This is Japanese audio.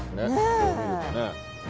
こう見るとね。